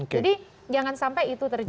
jangan sampai itu terjadi